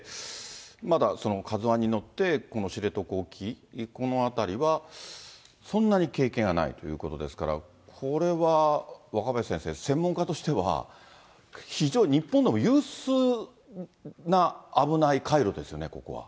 まだカズワンに乗って、この知床沖、この辺りは、そんなに経験がないということですから、これは若林先生、専門家としては、非常に、日本でも有数な危ない海路ですよね、ここは。